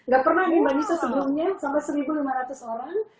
gak pernah nih mbak nisa sebelumnya sampai satu lima ratus orang